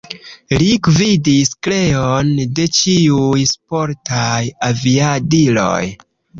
Li gvidis kreon de ĉiuj sportaj aviadiloj.